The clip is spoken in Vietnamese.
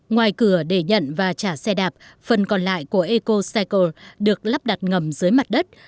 ngoài cửa để nhận và trả xe đạp phần còn lại của ecocycle được lắp đặt ngầm dưới mặt đất